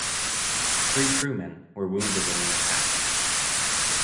Three crewmen were wounded in the attack.